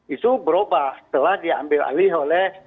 itu berubah telah diambil alih oleh